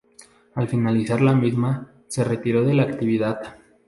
Al finalizar la misma, se retiró de la actividad.